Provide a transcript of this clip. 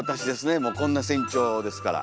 もうこんな身長ですから。